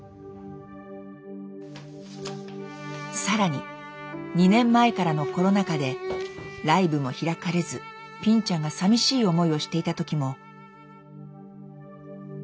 更に２年前からのコロナ禍でライブも開かれずぴんちゃんがさみしい思いをしていた時も。